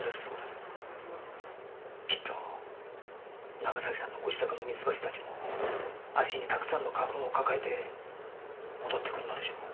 きっと長崎さんのご自宅のミツバチたちも足にたくさんの花粉を抱えて戻ってくるのでしょう。